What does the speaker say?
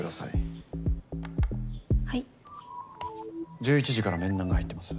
１１時から面談が入ってます。